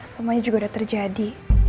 semuanya juga udah terjadi